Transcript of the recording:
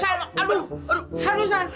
san aduh aduh aduh san